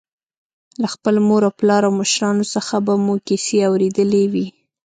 له خپل مور او پلار او مشرانو څخه به مو کیسې اورېدلې وي.